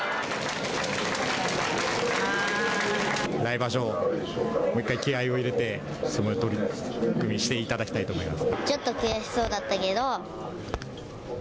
来場所もう１回気合いを入れて相撲を、取組していただきたいと思います。